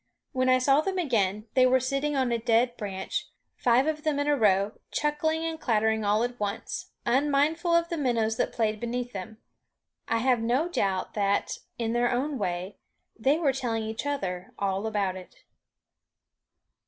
When I saw them again, they were sitting on a dead branch, five of them in a row, chuckling and clattering all at once, unmindful of the minnows that played beneath them. I have no doubt that, in their own way, they were telling each other all about it.